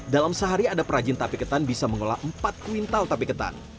dalam sehari ada perajin tape ketan bisa mengolah empat kuintal tape ketan